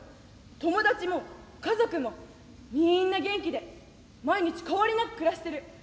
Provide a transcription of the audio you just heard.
「友達も家族もみんな元気で毎日変わりなく暮らしてる。